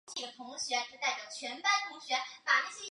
他很快就失去了他姐姐和他家族的其他成员。